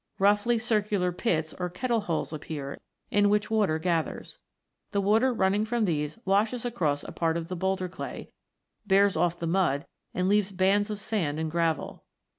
Roughly circular pits or " kettle holes" appear, in which water gathers. The water running from these washes across a part of the boulder clay, bears off the mud, and leaves bands of sand and gravel.